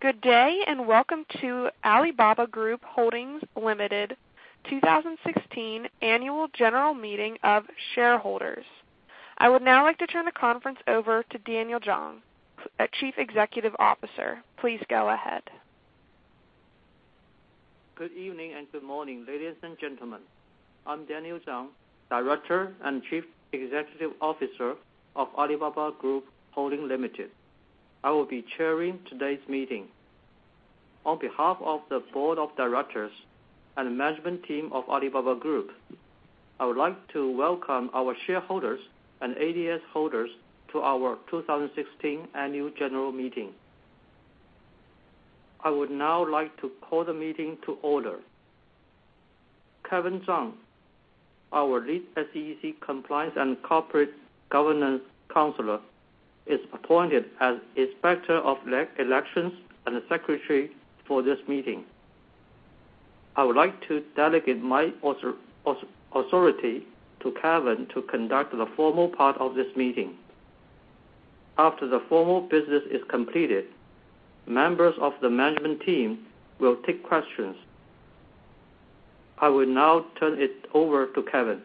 Good day, and welcome to Alibaba Group Holding Limited 2016 Annual General Meeting of Shareholders. I would now like to turn the conference over to Daniel Zhang, Chief Executive Officer. Please go ahead. Good evening and good morning, ladies and gentlemen. I'm Daniel Zhang, Director and Chief Executive Officer of Alibaba Group Holding Limited. I will be chairing today's meeting. On behalf of the board of directors and management team of Alibaba Group, I would like to welcome our shareholders and ADS holders to our 2016 Annual General Meeting. I would now like to call the meeting to order. Kevin Zhang, our Lead SEC Compliance and Corporate Governance Counselor, is appointed as Inspector of Elections and Secretary for this meeting. I would like to delegate my authority to Kevin to conduct the formal part of this meeting. After the formal business is completed, members of the management team will take questions. I will now turn it over to Kevin.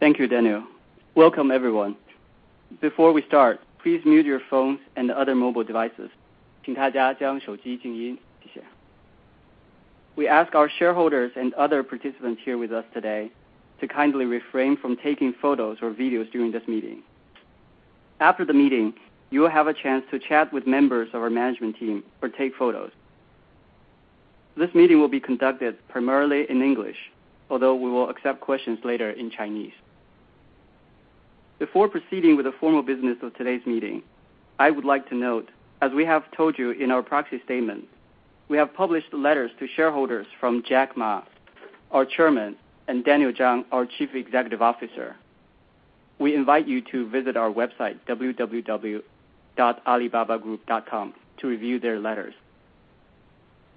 Thank you, Daniel. Welcome everyone. Before we start, please mute your phones and other mobile devices. We ask our shareholders and other participants here with us today to kindly refrain from taking photos or videos during this meeting. After the meeting, you will have a chance to chat with members of our management team or take photos. This meeting will be conducted primarily in English, although we will accept questions later in Chinese. Before proceeding with the formal business of today's meeting, I would like to note, as we have told you in our proxy statement, we have published letters to shareholders from Jack Ma, our Chairman, and Daniel Zhang, our Chief Executive Officer. We invite you to visit our website, www.alibabagroup.com, to review their letters.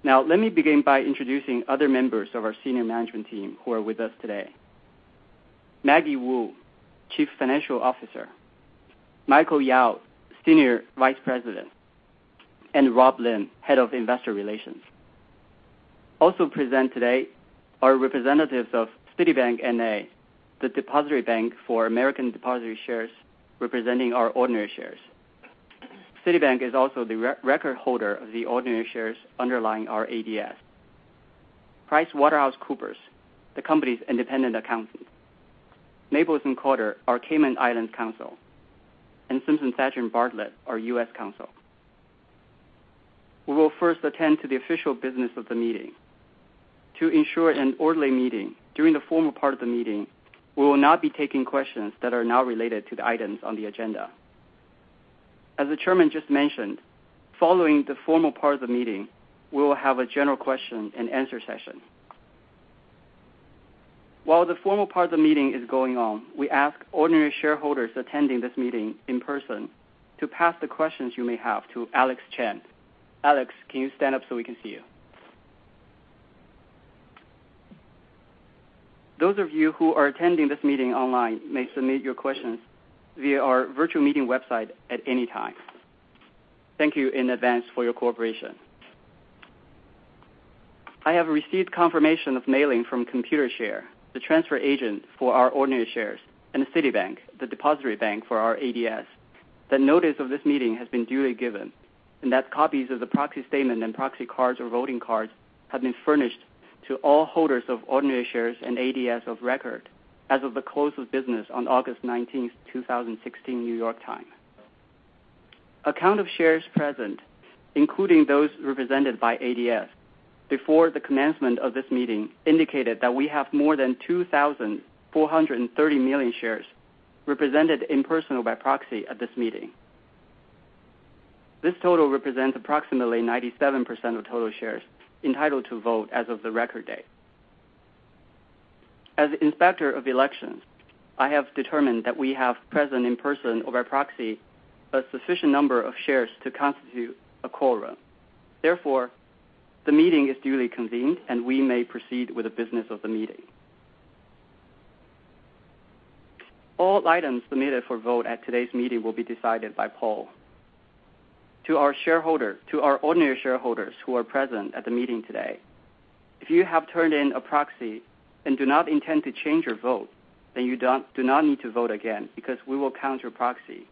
Now, let me begin by introducing other members of our senior management team who are with us today. Maggie Wu, Chief Financial Officer, Michael Yao, Senior Vice President, and Rob Lin, Head of Investor Relations. Also present today are representatives of Citibank, N.A., the depositary bank for American Depositary Shares representing our ordinary shares. Citibank is also the record holder of the ordinary shares underlying our ADS. PricewaterhouseCoopers, the company's independent accountant. Maples and Calder, our Cayman Islands counsel, and Simpson Thacher & Bartlett, our U.S. counsel. We will first attend to the official business of the meeting. To ensure an orderly meeting, during the formal part of the meeting, we will not be taking questions that are not related to the items on the agenda. As the chairman just mentioned, following the formal part of the meeting, we will have a general question and answer session. While the formal part of the meeting is going on, we ask ordinary shareholders attending this meeting in person to pass the questions you may have to Alex Chen. Alex, can you stand up so we can see you? Those of you who are attending this meeting online may submit your questions via our virtual meeting website at any time. Thank you in advance for your cooperation. I have received confirmation of mailing from Computershare, the transfer agent for our ordinary shares, and Citibank, the depositary bank for our ADS, that notice of this meeting has been duly given and that copies of the proxy statement and proxy cards or voting cards have been furnished to all holders of ordinary shares and ADS of record as of the close of business on August 19th, 2016, New York time. A count of shares present, including those represented by ADS, before the commencement of this meeting indicated that we have more than 2,430 million shares represented in person or by proxy at this meeting. This total represents approximately 97% of total shares entitled to vote as of the record date. As Inspector of Elections, I have determined that we have present in person or by proxy a sufficient number of shares to constitute a quorum. The meeting is duly convened, and we may proceed with the business of the meeting. All items submitted for vote at today's meeting will be decided by poll. To our ordinary shareholders who are present at the meeting today, if you have turned in a proxy and do not intend to change your vote, then you do not need to vote again because we will count your proxy.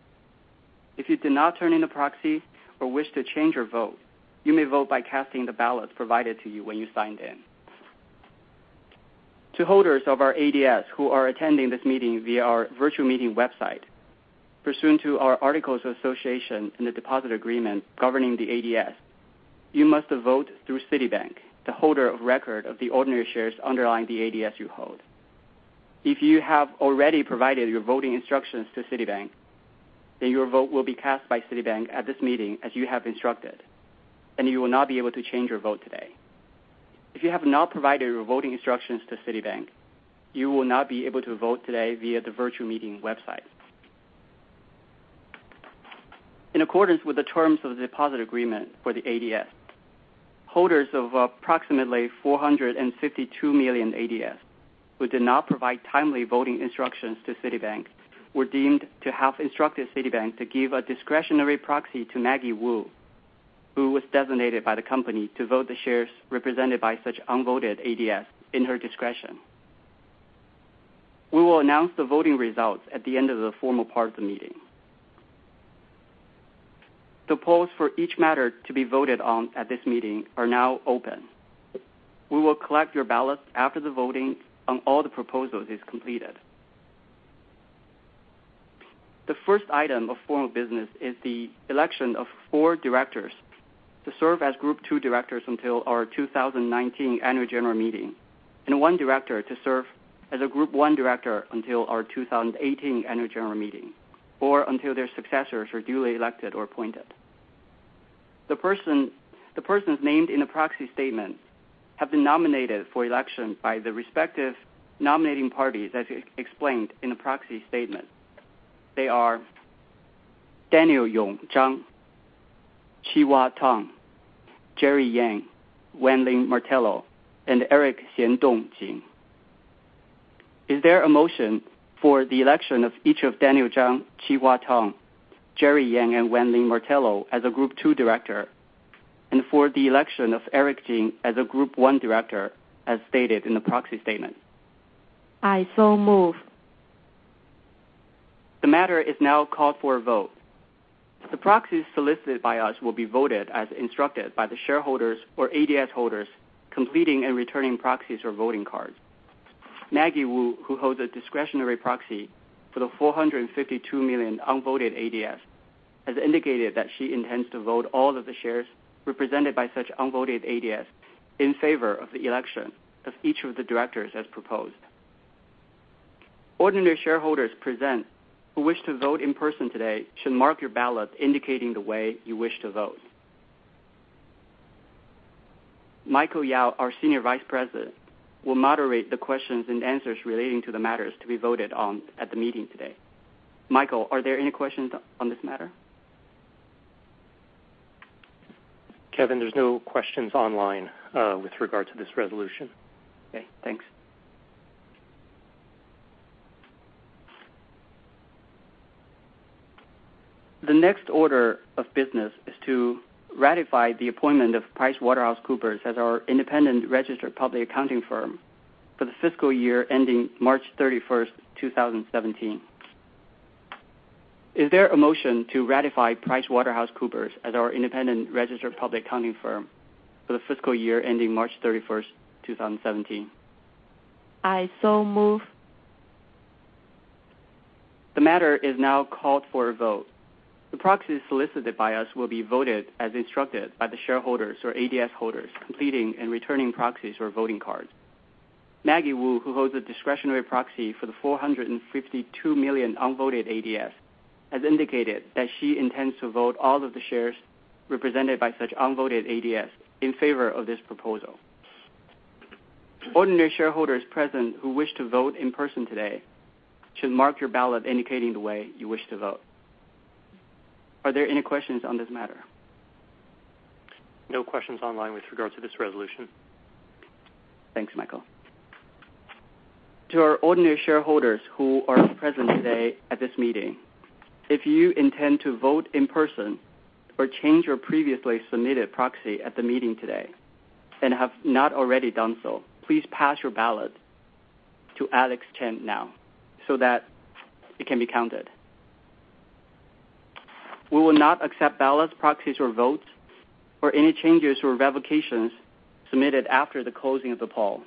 If you did not turn in a proxy or wish to change your vote, you may vote by casting the ballot provided to you when you signed in. To holders of our ADS who are attending this meeting via our virtual meeting website, pursuant to our Articles of Association and the Deposit Agreement governing the ADS, you must vote through Citibank, the holder of record of the ordinary shares underlying the ADS you hold. If you have already provided your voting instructions to Citibank, then your vote will be cast by Citibank at this meeting as you have instructed, and you will not be able to change your vote today. If you have not provided your voting instructions to Citibank, you will not be able to vote today via the virtual meeting website. In accordance with the terms of the Deposit Agreement for the ADS Holders of approximately 452 million ADS who did not provide timely voting instructions to Citibank were deemed to have instructed Citibank to give a discretionary proxy to Maggie Wu, who was designated by the company to vote the shares represented by such unvoted ADS in her discretion. We will announce the voting results at the end of the formal part of the meeting. The polls for each matter to be voted on at this meeting are now open. We will collect your ballots after the voting on all the proposals is completed. The first item of formal business is the election of 4 directors to serve as Group II directors until our 2019 annual general meeting, and one director to serve as a Group I director until our 2018 annual general meeting, or until their successors are duly elected or appointed. The persons named in the proxy statement have been nominated for election by the respective nominating parties, as explained in the proxy statement. They are Daniel Yong Zhang, Chee Hwa Tung, Jerry Yang, Wan Ling Martello, and Eric Xiandong Jing. Is there a motion for the election of each of Daniel Zhang, Chee Hwa Tung, Jerry Yang, and Wan Ling Martello as a Group II director, and for the election of Eric Jing as a Group I director, as stated in the proxy statement? I so move. The matter is now called for a vote. The proxies solicited by us will be voted as instructed by the shareholders or ADS holders completing and returning proxies or voting cards. Maggie Wu, who holds a discretionary proxy for the 452 million unvoted ADS, has indicated that she intends to vote all of the shares represented by such unvoted ADS in favor of the election of each of the directors as proposed. Ordinary shareholders present who wish to vote in person today should mark your ballot indicating the way you wish to vote. Michael Yao, our Senior Vice President, will moderate the questions and answers relating to the matters to be voted on at the meeting today. Michael, are there any questions on this matter? Kevin, there's no questions online with regard to this resolution. Okay, thanks. The next order of business is to ratify the appointment of PricewaterhouseCoopers as our independent registered public accounting firm for the fiscal year ending March 31st, 2017. Is there a motion to ratify PricewaterhouseCoopers as our independent registered public accounting firm for the fiscal year ending March 31st, 2017? I so move. The matter is now called for a vote. The proxies solicited by us will be voted as instructed by the shareholders or ADS holders completing and returning proxies or voting cards. Maggie Wu, who holds a discretionary proxy for the 452 million unvoted ADS, has indicated that she intends to vote all of the shares represented by such unvoted ADS in favor of this proposal. Ordinary shareholders present who wish to vote in person today should mark your ballot indicating the way you wish to vote. Are there any questions on this matter? No questions online with regard to this resolution. Thanks, Michael. To our ordinary shareholders who are present today at this meeting, if you intend to vote in person or change your previously submitted proxy at the meeting today and have not already done so, please pass your ballot to Alex Chen now so that it can be counted. We will not accept ballots, proxies, or votes, or any changes or revocations submitted after the closing of the poll.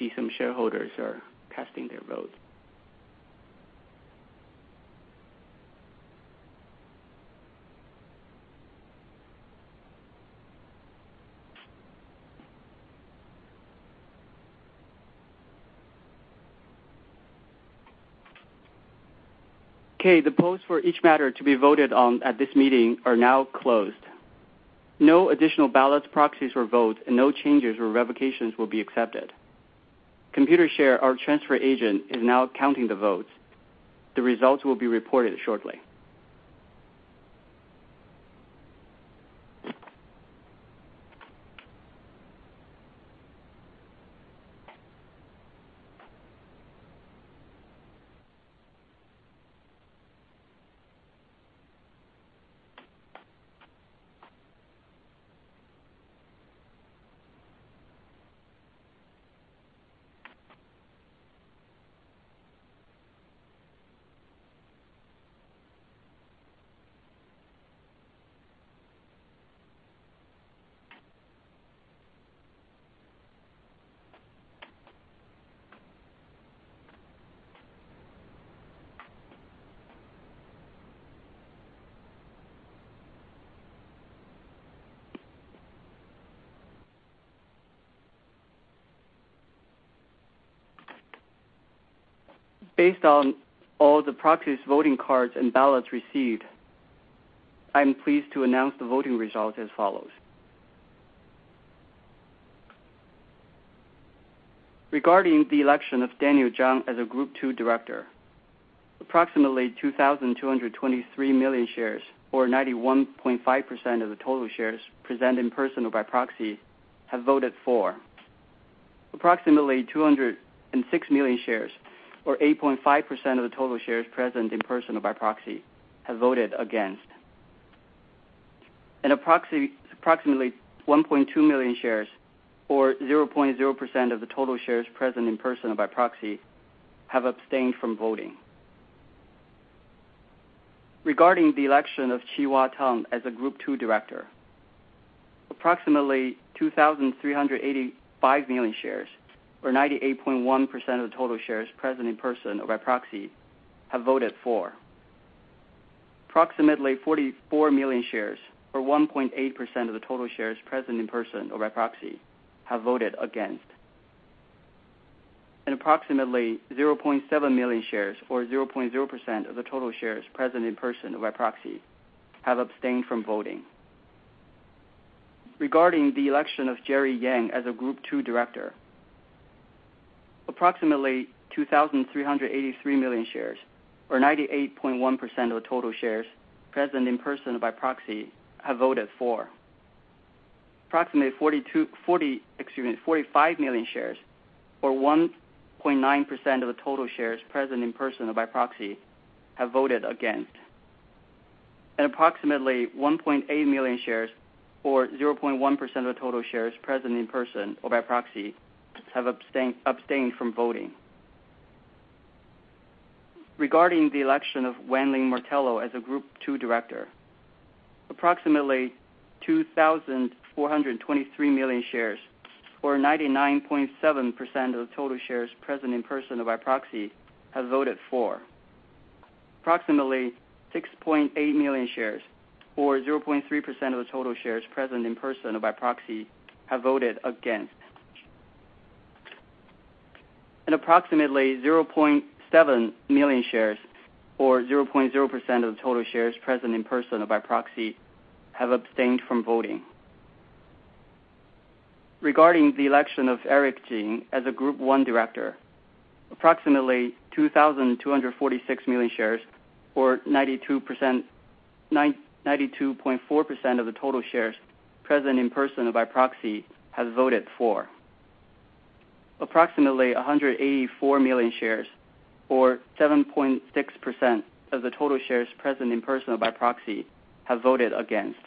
We see some shareholders are casting their votes. The polls for each matter to be voted on at this meeting are now closed. No additional ballots, proxies or votes, and no changes or revocations will be accepted. Computershare, our transfer agent, is now counting the votes. The results will be reported shortly. Based on all the proxies, voting cards, and ballots received, I'm pleased to announce the voting results as follows. Regarding the election of Daniel Zhang as a group 2 director, approximately 2,223 million shares, or 91.5% of the total shares present in person or by proxy, have voted for. Approximately 206 million shares, or 8.5% of the total shares present in person or by proxy, have voted against. Approximately 1.2 million shares, or 0.0% of the total shares present in person or by proxy, have abstained from voting. Regarding the election of Chee Hwa Tung as a group 2 director, approximately 2,385 million shares, or 98.1% of the total shares present in person or by proxy, have voted for. Approximately 44 million shares, or 1.8% of the total shares present in person or by proxy, have voted against. Approximately 0.7 million shares, or 0.0% of the total shares present in person or by proxy, have abstained from voting. Regarding the election of Jerry Yang as a group 2 director, approximately 2,383 million shares, or 98.1% of the total shares present in person or by proxy, have voted for. Approximately 45 million shares, or 1.9% of the total shares present in person or by proxy, have voted against. Approximately 1.8 million shares, or 0.1% of the total shares present in person or by proxy, have abstained from voting. Regarding the election of Wan Ling Martello as a group 2 director, approximately 2,423 million shares, or 99.7% of the total shares present in person or by proxy, have voted for. Approximately 6.8 million shares, or 0.3% of the total shares present in person or by proxy, have voted against. Approximately 0.7 million shares, or 0.0% of the total shares present in person or by proxy, have abstained from voting. Regarding the election of Eric Jing as a group 1 director, approximately 2,246 million shares, or 92.4% of the total shares present in person or by proxy, have voted for. Approximately 184 million shares, or 7.6% of the total shares present in person or by proxy, have voted against.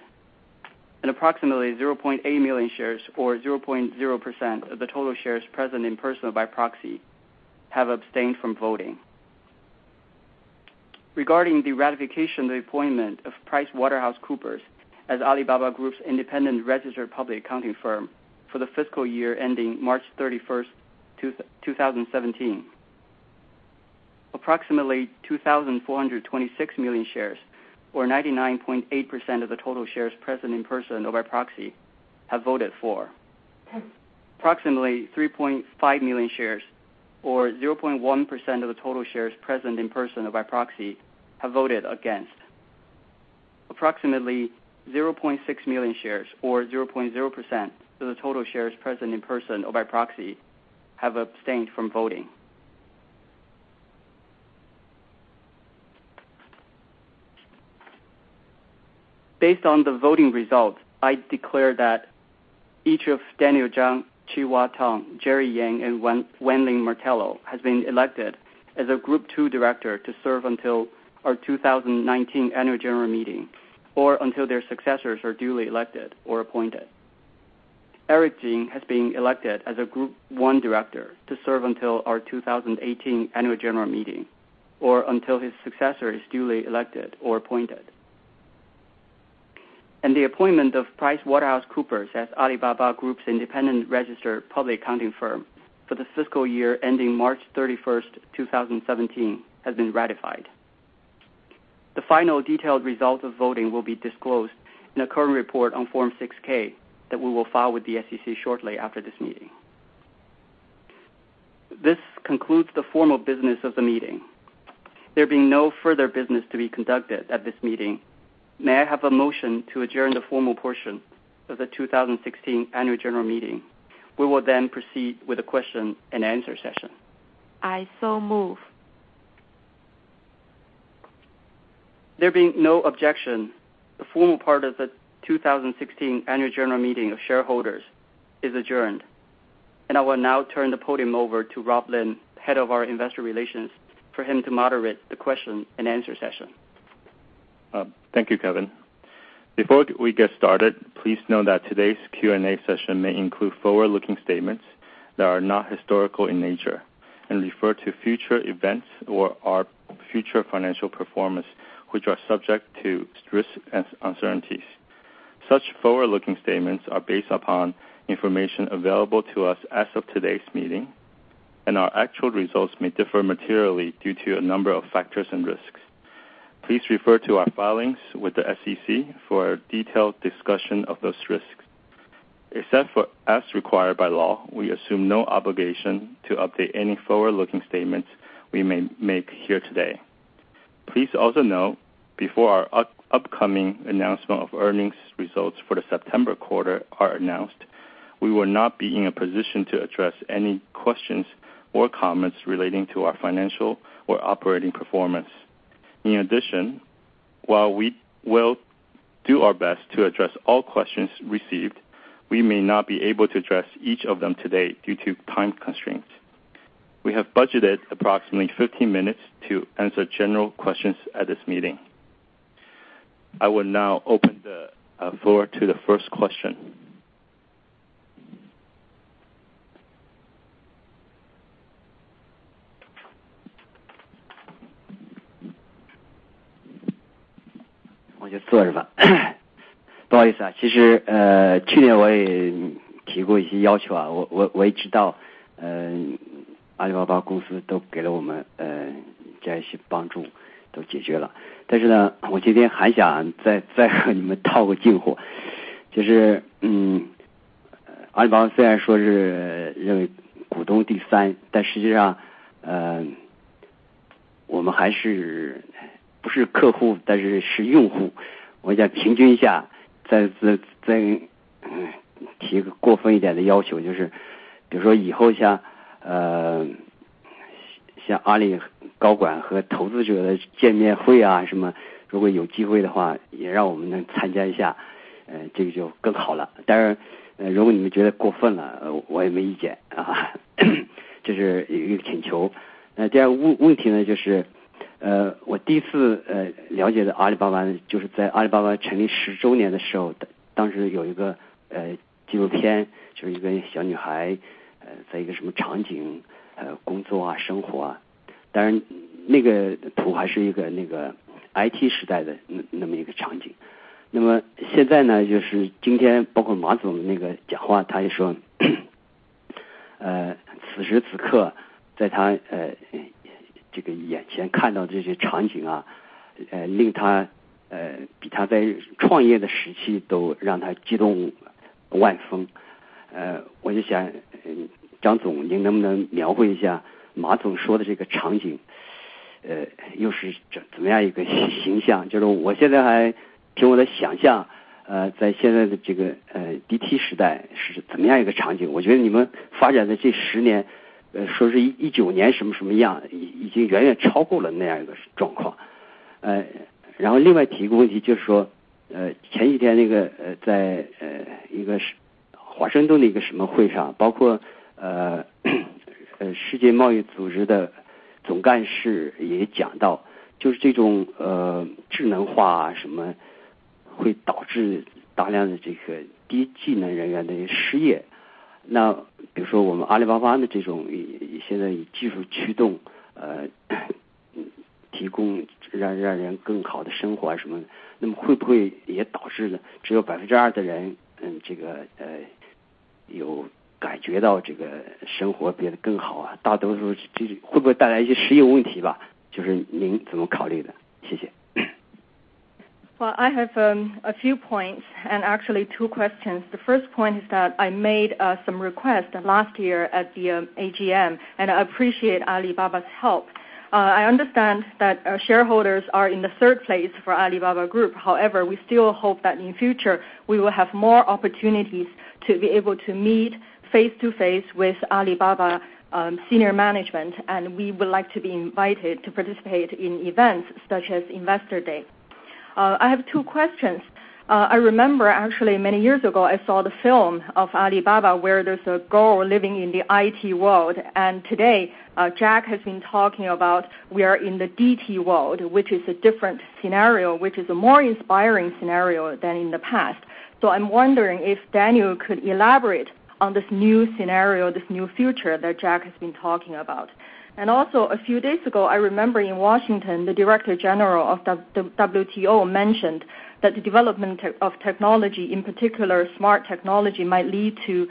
Approximately 0.8 million shares, or 0.0% of the total shares present in person or by proxy, have abstained from voting. Regarding the ratification of the appointment of PricewaterhouseCoopers as Alibaba Group's independent registered public accounting firm for the fiscal year ending March 31, 2017. Approximately 2,426 million shares, or 99.8% of the total shares present in person or by proxy, have voted for. Approximately 3.5 million shares, or 0.1% of the total shares present in person or by proxy, have voted against. Approximately 0.6 million shares, or 0.0% of the total shares present in person or by proxy, have abstained from voting. Based on the voting results, I declare that each of Daniel Zhang, Chee Hwa Tung, Jerry Yang, and Wan Ling Martello has been elected as a Group 2 director to serve until our 2019 annual general meeting, or until their successors are duly elected or appointed. Eric Jing has been elected as a Group 1 director to serve until our 2018 annual general meeting, or until his successor is duly elected or appointed. The appointment of PricewaterhouseCoopers as Alibaba Group's independent registered public accounting firm for the fiscal year ending March 31, 2017, has been ratified. The final detailed result of voting will be disclosed in a current report on Form 6-K that we will file with the SEC shortly after this meeting. This concludes the formal business of the meeting. There being no further business to be conducted at this meeting, may I have a motion to adjourn the formal portion of the 2016 annual general meeting? We will then proceed with the question and answer session. I so move. There being no objection, the formal part of the 2016 annual general meeting of shareholders is adjourned. I will now turn the podium over to Rob Lin, head of our Investor Relations, for him to moderate the question and answer session. Thank you, Kevin. Before we get started, please know that today's Q&A session may include forward-looking statements that are not historical in nature and refer to future events or our future financial performance, which are subject to risks and uncertainties. Such forward-looking statements are based upon information available to us as of today's meeting, and our actual results may differ materially due to a number of factors and risks. Please refer to our filings with the SEC for a detailed discussion of those risks. Except as required by law, we assume no obligation to update any forward-looking statements we may make here today. Please also note, before our upcoming announcement of earnings results for the September quarter are announced, we will not be in a position to address any questions or comments relating to our financial or operating performance. In addition, while we will do our best to address all questions received, we may not be able to address each of them today due to time constraints. We have budgeted approximately 15 minutes to answer general questions at this meeting. I will now open the floor to the first question. Well, I have a few points and actually two questions. The first point is that I made some requests last year at the AGM, I appreciate Alibaba's help. I understand that shareholders are in the third place for Alibaba Group. However, we still hope that in future, we will have more opportunities to be able to meet face to face with Alibaba senior management, and we would like to be invited to participate in events such as Investor Day. I have two questions. I remember actually many years ago, I saw the film of Alibaba, where there's a girl living in the IT world. Today, Jack has been talking about we are in the DT world, which is a different scenario, which is a more inspiring scenario than in the past. I'm wondering if Daniel could elaborate on this new scenario, this new future that Jack has been talking about. Also a few days ago, I remember in Washington, the director general of the WTO mentioned that the development of technology, in particular smart technology, might lead to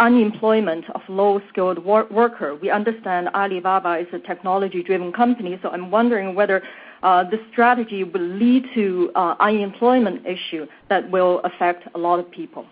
unemployment of low-skilled worker. We understand Alibaba is a technology-driven company, I'm wondering whether this strategy will lead to unemployment issue that will affect a lot of people.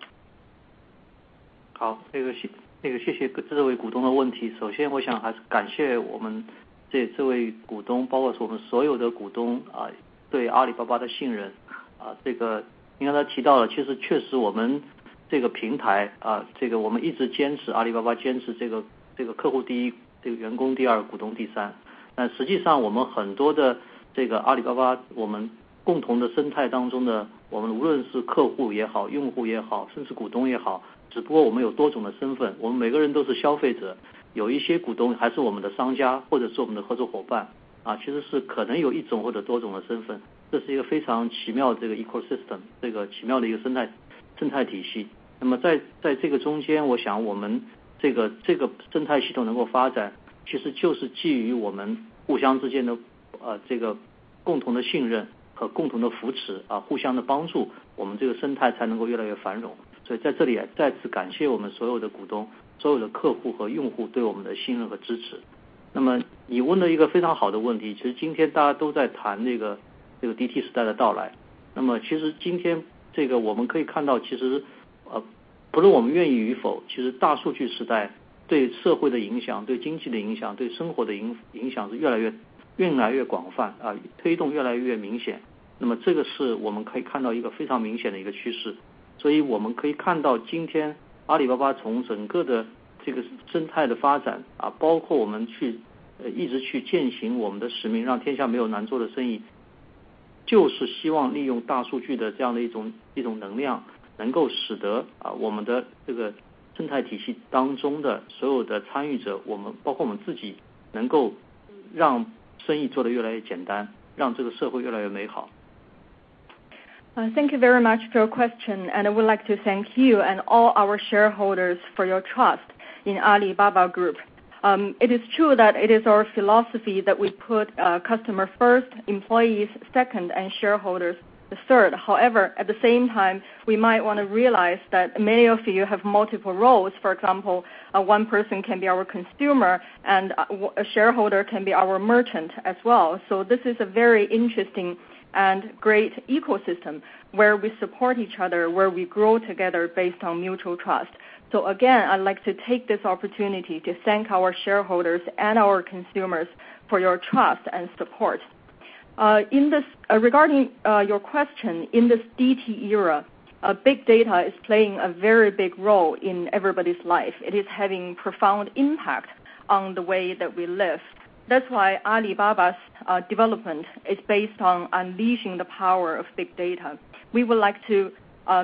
Thank you very much for your question. I would like to thank you and all our shareholders for your trust in Alibaba Group. It is true that it is our philosophy that we put customer first, employees second, and shareholders the third. However, at the same time, we might want to realize that many of you have multiple roles. For example, one person can be our consumer, and a shareholder can be our merchant as well. This is a very interesting and great ecosystem where we support each other, where we grow together based on mutual trust. Again, I'd like to take this opportunity to thank our shareholders and our consumers for your trust and support. Regarding your question, in this DT era, big data is playing a very big role in everybody's life. It is having profound impact on the way that we live. That's why Alibaba's development is based on unleashing the power of big data. We would like to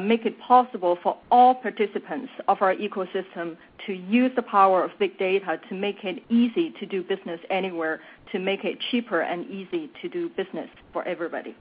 make it possible for all participants of our ecosystem to use the power of big data to make it easy to do business anywhere, to make it cheaper and easy to do business for everybody.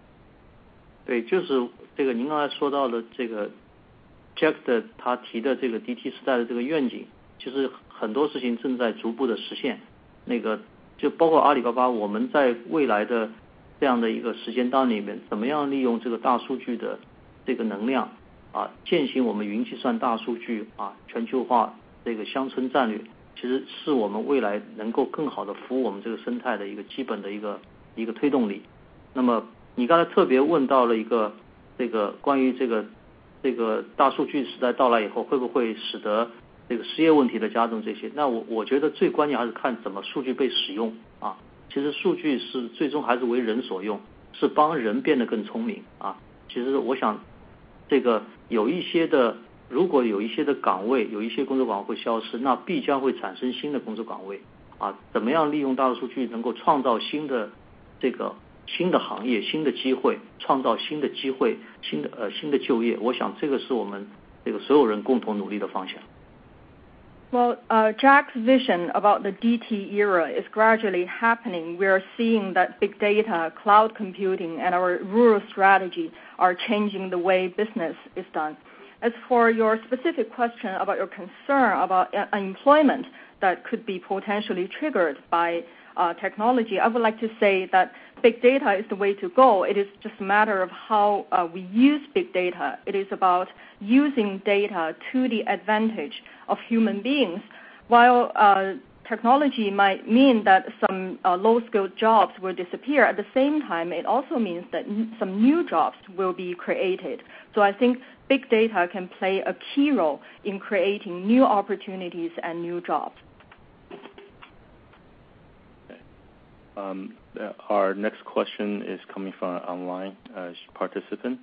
Well, Jack's vision about the DT era is gradually happening. We are seeing that big data, cloud computing and our rural strategy are changing the way business is done. As for your specific question about your concern about unemployment that could be potentially triggered by technology, I would like to say that big data is the way to go. It is just a matter of how we use big data. It is about using data to the advantage of human beings. While technology might mean that some low-skill jobs will disappear, at the same time, it also means that some new jobs will be created. I think big data can play a key role in creating new opportunities and new jobs. Our next question is coming from an online participant.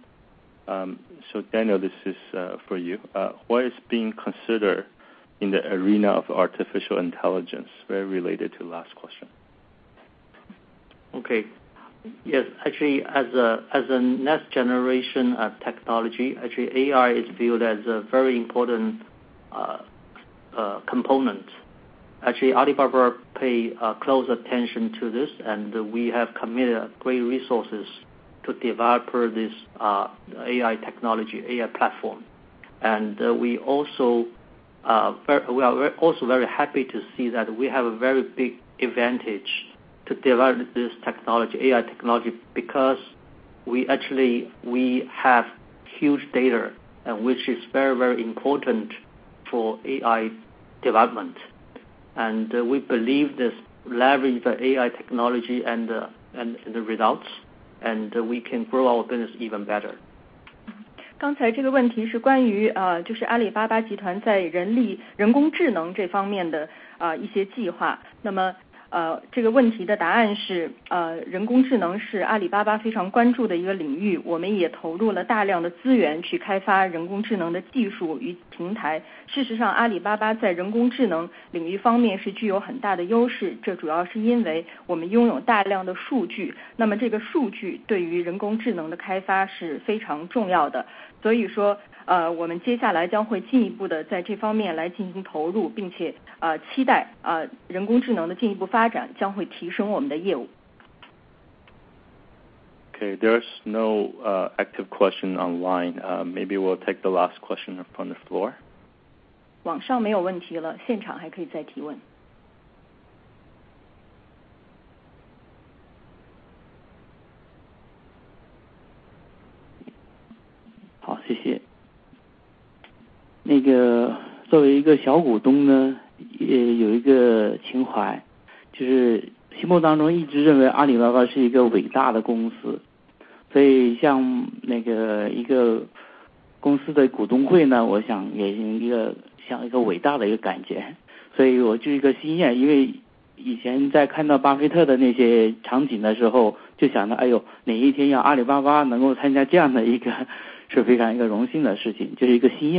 Daniel, this is for you. What is being considered in the arena of artificial intelligence? Very related to last question. Okay. Yes. Actually, as a next generation of technology, actually AI is viewed as a very important component. Alibaba pay close attention to this, we have committed great resources to develop this AI technology, AI platform. We are also very happy to see that we have a very big advantage to develop this AI technology, because we have huge data, which is very important for AI development. We believe this leverage AI technology and the results, we can grow our business even better. Okay, there's no active question online. Maybe we'll take the last question from the floor. 网上没有问题了，现场还可以再提问。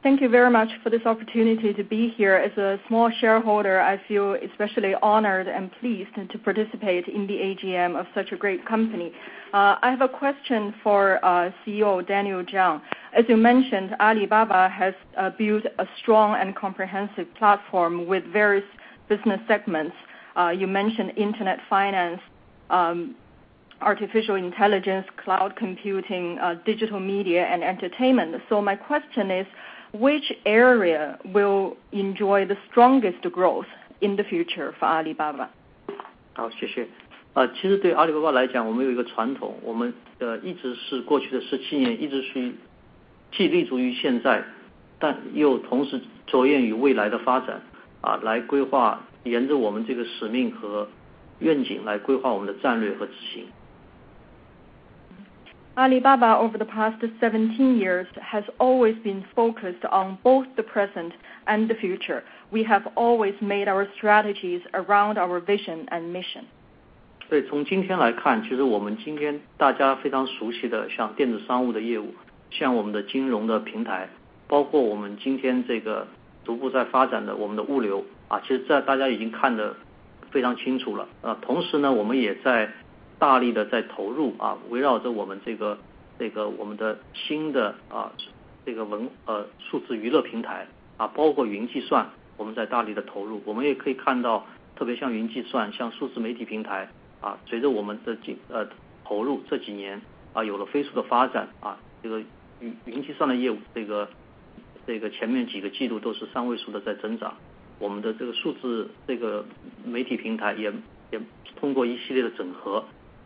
Thank you very much for this opportunity to be here. As a small shareholder, I feel especially honored and pleased to participate in the AGM of such a great company. I have a question for CEO Daniel Zhang. As you mentioned, Alibaba has built a strong and comprehensive platform with various business segments. You mentioned internet finance, artificial intelligence, cloud computing, digital media and entertainment. My question is, which area will enjoy the strongest growth in the future for Alibaba? 好，谢谢。其实对阿里巴巴来讲，我们有一个传统，我们一直是过去的17年，一直是既立足于现在，但又同时着眼于未来的发展，沿着我们这个使命和愿景来规划我们的战略和执行。Alibaba, over the past 17 years has always been focused on both the present and the future. We have always made our strategies around our vision and mission.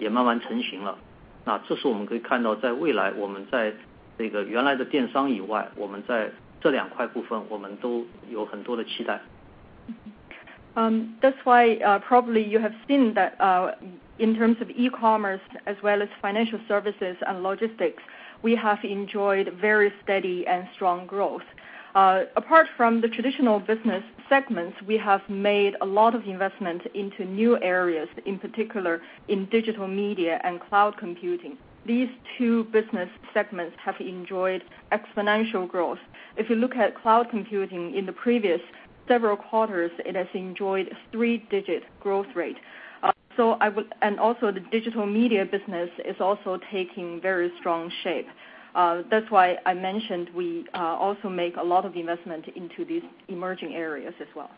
That's why probably you have seen that in terms of e-commerce as well as financial services and logistics, we have enjoyed very steady and strong growth. Apart from the traditional business segments, we have made a lot of investment into new areas, in particular in digital media and cloud computing. These two business segments have enjoyed exponential growth. If you look at cloud computing in the previous several quarters, it has enjoyed three-digit growth rate. Also the digital media business is also taking very strong shape. That's why I mentioned we also make a lot of investment into these emerging areas as well.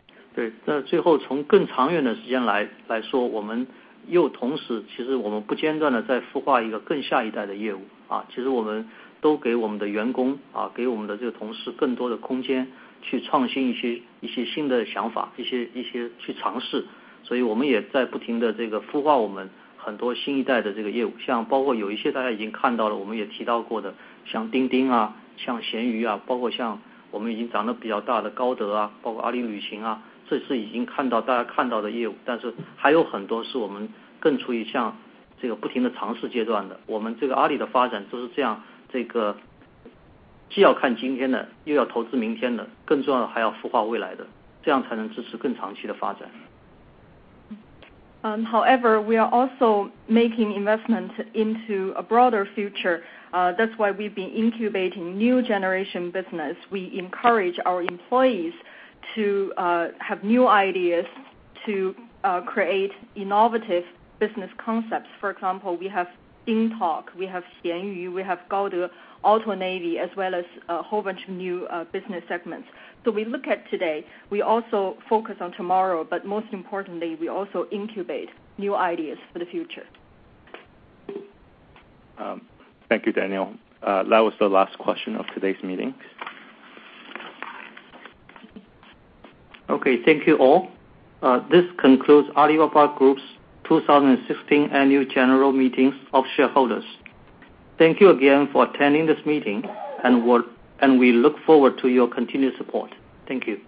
However, we are also making investment into a broader future. That's why we've been incubating new generation business. We encourage our employees to have new ideas to create innovative business concepts. For example, we have DingTalk, we have Xianyu, we have Gaode, AutoNavi, as well as a whole bunch of new business segments. We look at today, we also focus on tomorrow, but most importantly, we also incubate new ideas for the future. Thank you, Daniel. That was the last question of today's meeting. Okay. Thank you all. This concludes Alibaba Group's 2016 Annual General Meeting of Shareholders. Thank you again for attending this meeting, and we look forward to your continued support. Thank you.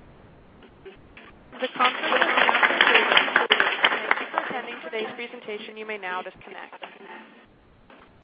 The conference is now concluded. Thank you for attending today's presentation. You may now disconnect.